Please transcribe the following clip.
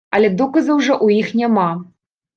Але доказаў жа ў іх няма.